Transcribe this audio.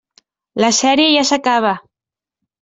La sèrie ja s'acaba.